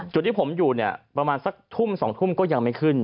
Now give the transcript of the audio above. จุดที่ผมอยู่เนี่ยประมาณสักทุ่ม๒ทุ่มก็ยังไม่ขึ้น